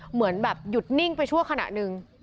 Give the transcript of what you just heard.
เหมือนแบบหยุดนิ่งไปชั่วขณะหนึ่ง